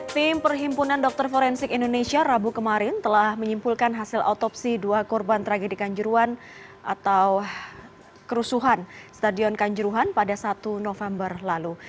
tim perhimpunan dokter forensik indonesia rabu kemarin telah menyimpulkan hasil otopsi dua korban tragedi kanjuruan atau kerusuhan stadion kanjuruhan pada satu november lalu